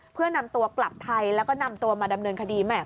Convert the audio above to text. เพื่อนำตัวกลับไทยแล้วก็นำตัวมาดำเนินคดีแห่